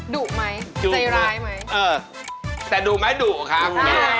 ดุกมั้ยใจร้ายมั้ยแต่ดุไม่ดุครับ